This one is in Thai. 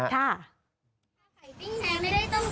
ข้าวไข่ปิ้งแท้ไม่ได้ต้องกินกับส้มตำก็อร่อยกินเล่นก็อร่อย